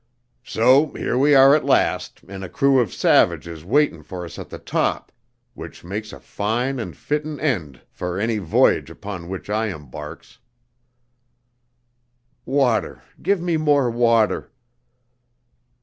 "So here we are at last, an' a crew of savages waitin' fer us at the top, which makes a fine and fittin' end fer any v'yage upon which I embarks." "Water give me more water."